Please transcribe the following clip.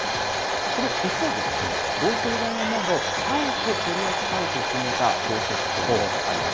一方で、合成ダイヤモンド、あえて取り扱うと決めた宝石店もあります。